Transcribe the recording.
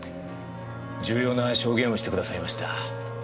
重要な証言をしてくださいました。